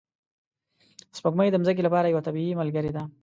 سپوږمۍ د ځمکې لپاره یوه طبیعي ملګرې ده